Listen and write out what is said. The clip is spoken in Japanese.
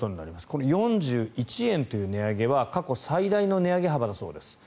この４１円という値上げは過去最大の値上げ幅だそうです。